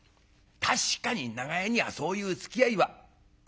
確かに長屋にはそういうつきあいはあるよ。